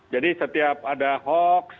jadi setiap ada hoax